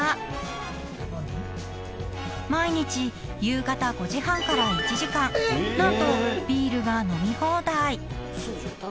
［毎日夕方５時半から１時間何とビールが飲み放題］